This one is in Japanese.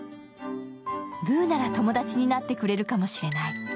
ブーなら友達になってくれるかもしれない。